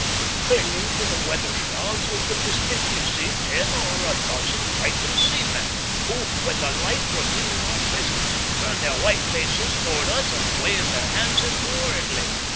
Clinging to the weather shrouds we could distinctly see ten or a dozen frightened seamen who, when the light revealed our presence, turned their white faces towards us and waved their hands imploringly.